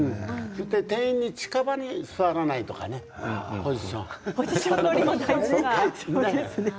店員の近場に座らないとかねポジションね。